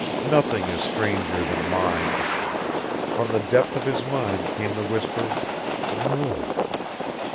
Nothing is stranger than mind. From the depth of his mind came the whisper, "No."